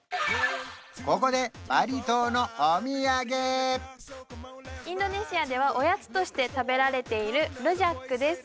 ここでインドネシアではおやつとして食べられているルジャックです